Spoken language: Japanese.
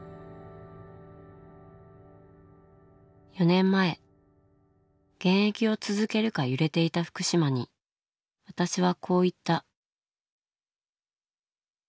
４年前現役を続けるか揺れていた福島に私はこう言った。